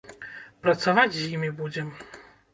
Працаваць з імі будзем.